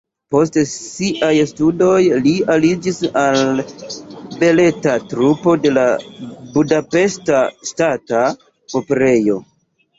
Post siaj studoj li aliĝis al baleta trupo de la Budapeŝta Ŝtata Operejo.